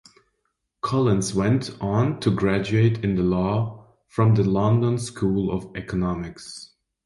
Collins went on to graduate in law from the London School of Economics.